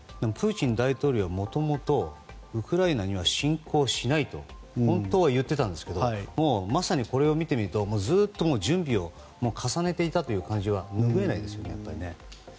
プーチン大統領はもともとウクライナには侵攻しないと言ってたんですけどまさにこれを見てみるとずっと準備を重ねていたという感じはぬぐえないですね。